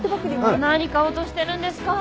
何買おうとしてるんですか。